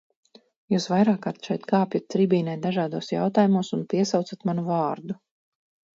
Jūs vairākkārt šeit kāpjat tribīnē dažādos jautājumos un piesaucat manu vārdu.